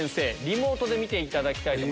リモートで見ていただきます。